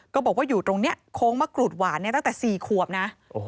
ก็บอกว่าอยู่ตรงนี้โค้งมะกรูดหวานตั้งแต่๔ขวบนะ